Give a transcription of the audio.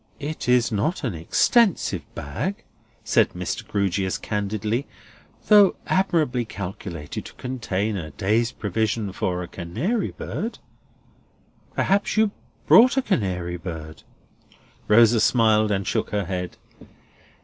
"It is not an extensive bag," said Mr. Grewgious, candidly, "though admirably calculated to contain a day's provision for a canary bird. Perhaps you brought a canary bird?" Rosa smiled and shook her head.